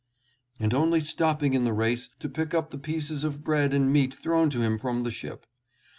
" and only stopping in the race to pick up the pieces of bread and meat thrown to him from the ship.